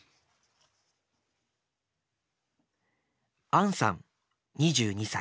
あんさん２２歳。